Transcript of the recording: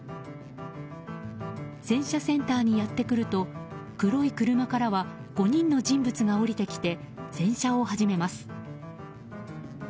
洗車センターにやってくると黒い車からは５人の人物が降りてきて洗車を始めます。